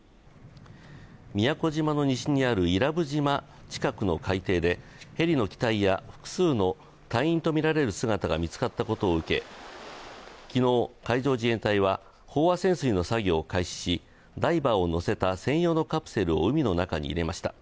宮古島の西にある伊良部島近くの海底でヘリの機体や複数の隊員とみられる姿が見つかったことを受け昨日、海上自衛隊は飽和潜水の作業を開始しダイバーを乗せた専用のカプセルを海の中に入れました。